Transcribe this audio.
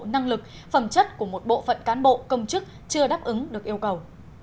năng lực phẩm chất của một bộ phận cán bộ công chức chưa đáp ứng được yêu cầu